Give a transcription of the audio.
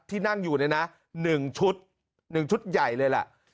ที่นั่งอยู่ในน่ะหนึ่งชุดหนึ่งชุดใหญ่เลยล่ะ